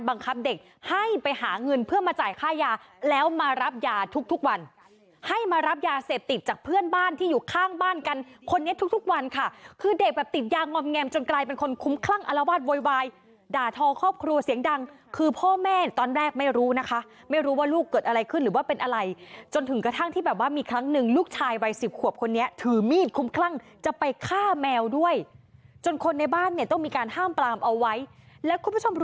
บังคับเด็กให้ไปหาเงินเพื่อมาจ่ายค่ายาแล้วมารับยาทุกวันให้มารับยาเสร็จติดจากเพื่อนบ้านที่อยู่ข้างบ้านกันคนนี้ทุกวันค่ะคือเด็กติดยางงอมแงมจนกลายเป็นคนคุ้มคลั่งอลวาดโวยวายด่าทอครอบครัวเสียงดังคือพ่อแม่ตอนแรกไม่รู้นะคะไม่รู้ว่าลูกเกิดอะไรขึ้นหรือว่าเป็นอะไรจนถึงกระทั่งที่แบ